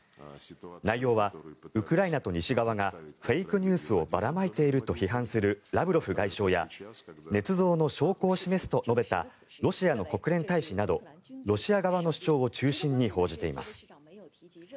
内容はウクライナと西側がフェイクニュースをばらまいていると批判するラブロフ外相やねつ造の証拠を示すと述べたロシアの国連大使などロシア側の主張を中心に報じています。